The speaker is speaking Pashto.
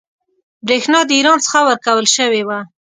برېښنا د ایران څخه ورکول شوې وه.